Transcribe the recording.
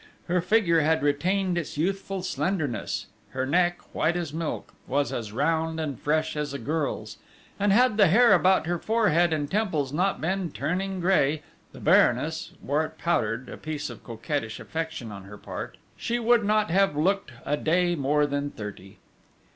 Her figure had retained its youthful slenderness, her neck, white as milk, was as round and fresh as a girl's; and had the hair about her forehead and temples not been turning grey the Baroness wore it powdered, a piece of coquettish affection on her part she would not have looked a day more than thirty.